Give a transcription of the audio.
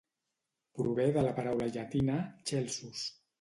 Prové de la paraula llatina 'Celsus'.